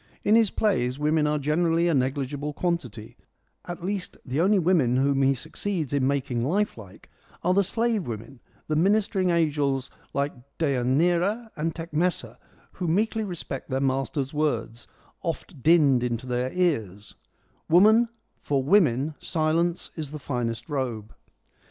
In his plays women are generally a negligible quantity ; at least the only women whom he succeeds in making lifelike are the slave women, the ministering angels like Deianira and Tecmessa who meekly respect their master's words, ' oft dinned into their ears '—' Woman, for women silence is the finest robe.'